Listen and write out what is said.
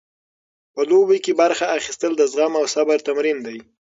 په لوبو کې برخه اخیستل د زغم او صبر تمرین دی.